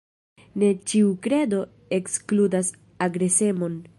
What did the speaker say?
Ne ĉiu kredo ekskludas agresemon.